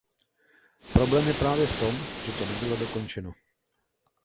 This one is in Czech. Problém je právě v tom, že to nebylo dokončeno.